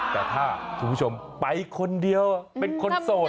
แต่ถ้าคุณผู้ชมไปคนเดียวเป็นคนโสด